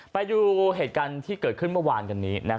ไปดูเหตุการณ์ที่เกิดขึ้นเมื่อวานกันนี้